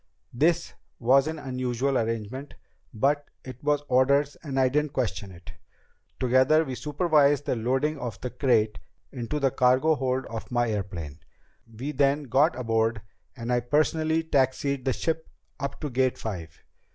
This was an unusual arrangement, but it was orders and I didn't question it. Together we supervised the loading of the crate into the cargo hold of my airplane. We then got aboard, and I personally taxied the ship up to Gate Five.